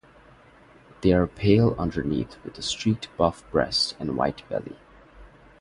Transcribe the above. They are pale underneath with a streaked buff breast and white belly.